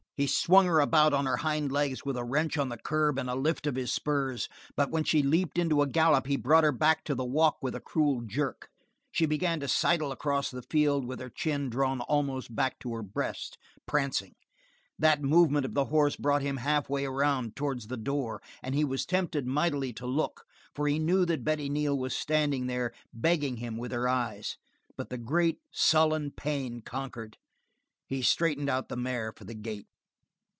He swung her about on her hind legs with a wrench on the curb and a lift of his spurs, but when she leaped into a gallop he brought her back to the walk with a cruel jerk; she began to sidle across the field with her chin drawn almost back to her breast, prancing. That movement of the horse brought him half way around towards the door and he was tempted mightily to look, for he knew that Betty Neal was standing there, begging him with her eyes. But the great, sullen pain conquered; he straightened out the mare for the gate.